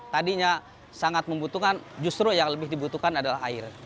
tadinya sangat membutuhkan justru yang lebih dibutuhkan adalah air